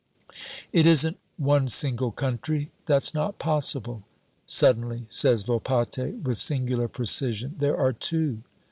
"It isn't one single country, that's not possible," suddenly says Volpatte with singular precision, "there are two.